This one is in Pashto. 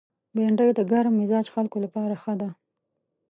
بېنډۍ د ګرم مزاج خلکو لپاره ښه ده